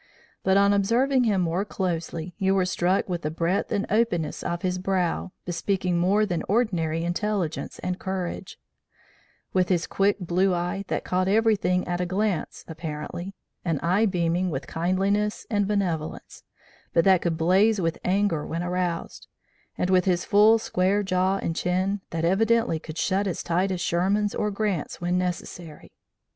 But on observing him more closely, you were struck with the breadth and openness of his brow, bespeaking more than ordinary intelligence and courage; with his quick, blue eye, that caught everything at a glance apparently an eye beaming with kindliness and benevolence, but that could blaze with anger when aroused; and with his full, square jaw and chin, that evidently could shut as tight as Sherman's or Grant's when necessary.